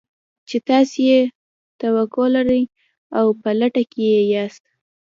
چې تاسې يې توقع لرئ او په لټه کې يې ياست.